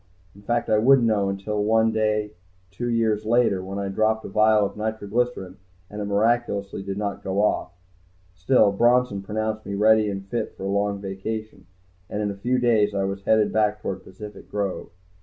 In fact I wouldn't know until one day two years later, when I dropped a vial of nitroglycerine, and it miraculously did not go off. Still, Bronson pronounced me ready and fit for a long vacation, and in a few days I was headed back toward Pacific Grove.